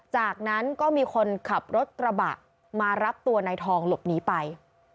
จากนั้นก็มีคนขับรถกระบะมารับตัวนายทองหลบหนีไป